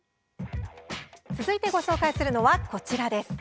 続いて、ご紹介するのはこちらです。